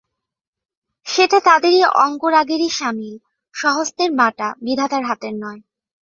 সেটা তাদের অঙ্গরাগেরই সামিল, স্বহস্তের বাঁটা, বিধাতার হাতের নয়।